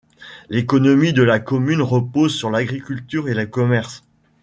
L'économie de la commune repose sur l'agriculture et le commerce.